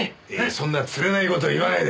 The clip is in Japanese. そんなつれない事言わないで。